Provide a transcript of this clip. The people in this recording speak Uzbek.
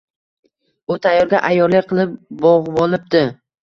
U tayyorga ayyorlik qilib bo‘g‘volipti.